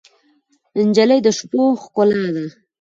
نجلۍ د شپو ښکلا ده.